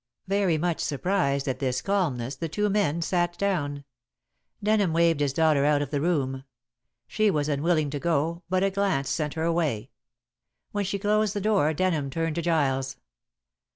Very much surprised at this calmness the two men sat down. Denham waved his daughter out of the room. She was unwilling to go, but a glance sent her away. When she closed the door Denham turned to Giles.